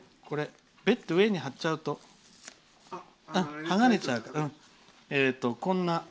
ベッと上に貼っちゃうとはがれちゃうから。